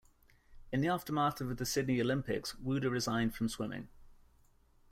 In the aftermath of the Sydney Olympics Wouda resigned from swimming.